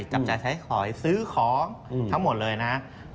จับจ่ายใช้หอยซื้อของทั้งหมดเลยนะครับ